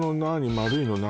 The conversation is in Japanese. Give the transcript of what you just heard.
丸いの何？